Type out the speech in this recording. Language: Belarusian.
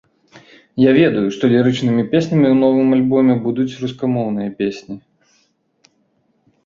Я ведаю, што лірычнымі песнямі ў новым альбоме будуць рускамоўныя песні.